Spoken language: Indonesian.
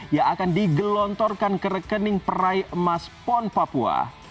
yang akan digelontorkan ke rekening peraih emas pon papua